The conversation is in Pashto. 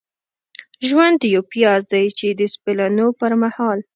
ژوند یو پیاز دی چې د سپینولو پرمهال.